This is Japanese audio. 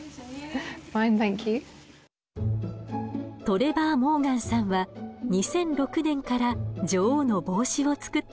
トレバー＝モーガンさんは２００６年から女王の帽子を作っています。